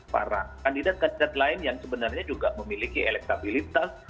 para kandidat kandidat lain yang sebenarnya juga memiliki elektabilitas